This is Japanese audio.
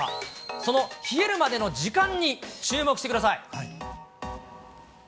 その冷えるまでの時間に注目してください。